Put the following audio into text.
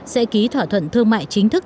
sẽ ký thỏa thuận thương mại chính thức